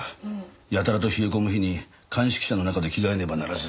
やたらと冷え込む日に鑑識車の中で着替えねばならず。